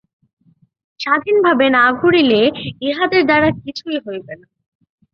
স্বাধীনভাবে না ঘুরিলে ইহাদের দ্বারা কিছুই হইবে না।